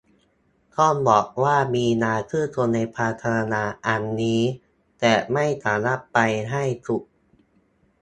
ต้องบอกว่ามีน่าชื่นชนในความพยายามอันนี้ แต่ไม่สามารถไปได้สุด